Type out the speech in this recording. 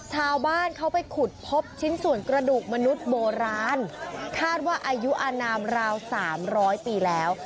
ชาวบ้านเขาไปขุดพบชิ้นส่วนกระดูกมนุษย์โบราณคาดว่าอายุอนามราว๓๐๐ปีแล้ว